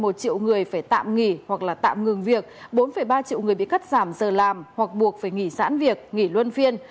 bốn một triệu người phải tạm nghỉ hoặc tạm ngừng việc bốn ba triệu người bị cắt giảm giờ làm hoặc buộc phải nghỉ sản việc nghỉ luân phiên